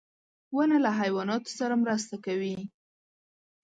• ونه له حیواناتو سره مرسته کوي.